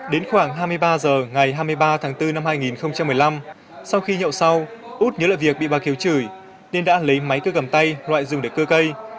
đến khoảng hai mươi ba h ngày hai mươi ba tháng bốn năm hai nghìn một mươi năm sau khi nhậu sau út nhớ lại việc bị bà kiều chửi nên đã lấy máy cứ gầm tay loại rừng để cưa cây